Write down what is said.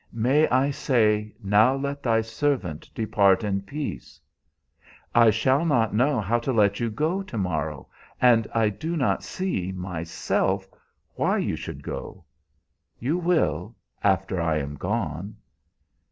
May I say, 'Now let thy servant depart in peace'?" "I shall not know how to let you go to morrow, and I do not see, myself, why you should go." "You will after I am gone."